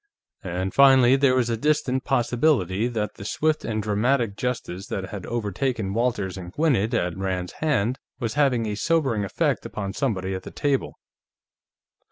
And finally, there was a distinct possibility that the swift and dramatic justice that had overtaken Walters and Gwinnett at Rand's hands was having a sobering effect upon somebody at that table.